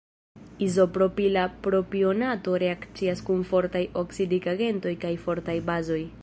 Izopropila propionato reakcias kun fortaj oksidigagentoj kaj fortaj bazoj.